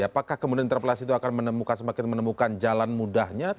apakah kemudian interpelasi itu akan menemukan semakin menemukan jalan mudahnya